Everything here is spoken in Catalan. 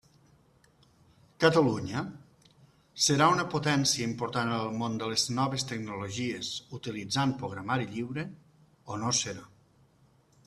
Catalunya serà una potència important en el món de les noves tecnologies utilitzant programari lliure o no serà.